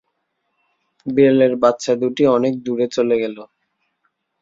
বিড়ালের বাচ্চা দুটি অনেকটা দূরে চলে গেল।